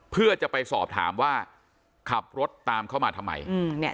เพื่อจะไปสอบถามว่าขับรถตามเขามาทำไม